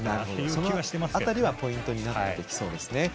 その辺りがポイントになってきそうですね。